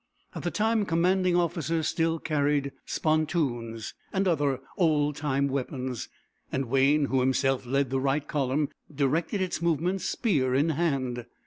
At the time commanding officers still carried spontoons, and other old time weapons, and Wayne, who himself led the right column, directed its movements spear in hand.